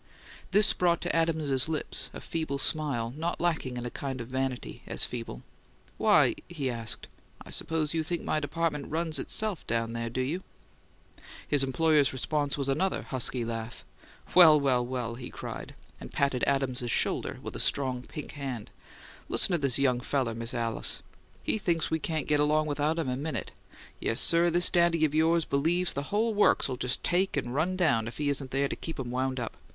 This brought to Adams's lips a feeble smile not lacking in a kind of vanity, as feeble. "Why?" he asked. "I suppose you think my department runs itself down there, do you?" His employer's response was another husky laugh. "Well, well, well!" he cried, and patted Adams's shoulder with a strong pink hand. "Listen to this young feller, Miss Alice, will you! He thinks we can't get along without him a minute! Yes, sir, this daddy of yours believes the whole works 'll just take and run down if he isn't there to keep 'em wound up.